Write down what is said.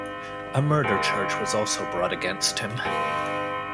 A murder charge was also brought against him.